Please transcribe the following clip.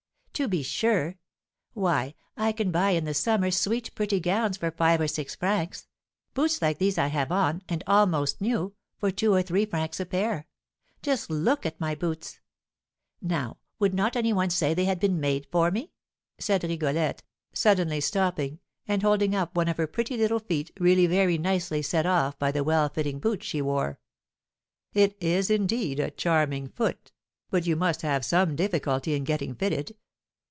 "To be sure; why, I can buy in the summer sweet pretty gowns for five or six francs; boots, like these I have on, and almost new, for two or three francs a pair; just look at my boots. Now, would not any one say they had been made for me?" said Rigolette, suddenly stopping, and holding up one of her pretty little feet, really very nicely set off by the well fitting boot she wore. "It is, indeed, a charming foot; but you must have some difficulty in getting fitted.